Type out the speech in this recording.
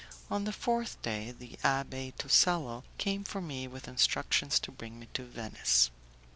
On the fourth day, the Abbé Tosello came for me with instructions to bring me to Venice.